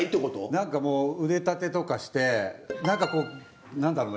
なんかもう腕立てとかしてなんかこうなんだろうな。